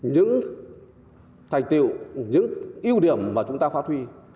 những thành tiệu những ưu điểm mà chúng ta phát huy